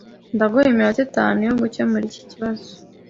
Ndaguha iminota itanu yo gukemura iki kibazo.